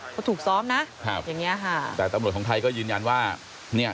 เขาถูกซ้อมนะครับอย่างเงี้ยค่ะแต่ตำรวจของไทยก็ยืนยันว่าเนี่ย